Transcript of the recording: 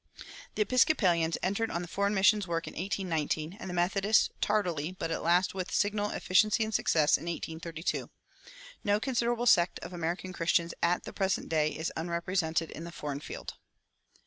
[255:2] The Episcopalians entered on foreign mission work in 1819, and the Methodists, tardily but at last with signal efficiency and success, in 1832. No considerable sect of American Christians at the present day is unrepresented in the foreign field.